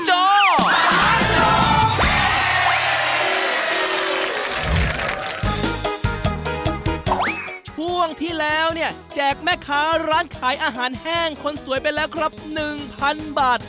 ช่วงที่แล้วเนี่ยแจกแม่ค้าร้านขายอาหารแห้งคนสวยไปแล้วครับ๑๐๐๐บาท